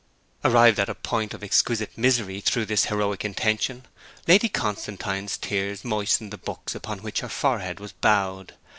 Arrived at a point of exquisite misery through this heroic intention, Lady Constantine's tears moistened the books upon which her forehead was bowed.